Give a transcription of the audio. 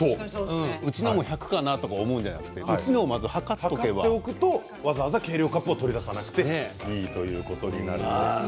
うちのも、１００かなと思うんじゃなくて、うちのをそうすると、わざわざ計量カップを取り出さなくてもいいということです。